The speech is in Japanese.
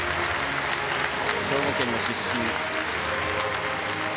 兵庫県の出身。